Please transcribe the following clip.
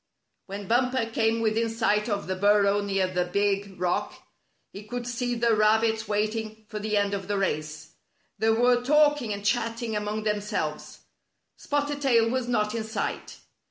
When Bumper came within sight of the bur row near the big rock, he could see the rabbits waiting for the end of the race. They were talk ing and chatting among themselves. Spotted Tail was not in sight.